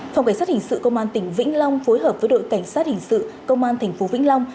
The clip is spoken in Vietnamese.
phòng cảnh sát hình sự công an tỉnh vĩnh long phối hợp với đội cảnh sát hình sự công an thành phố vĩnh long